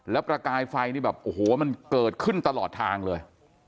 แล้วประกายไฟนี่แบบโอ้โหมันเกิดขึ้นตลอดทางเลย